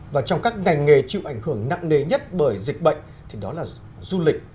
và trong các ngành nghề chịu ảnh hưởng nặng nề nhất bởi dịch bệnh thì đó là du lịch